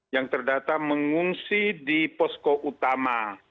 yang terdata mengungsi di posko utama